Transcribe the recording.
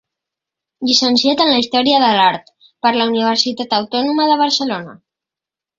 Llicenciat en Història de l'Art per la Universitat Autònoma de Barcelona.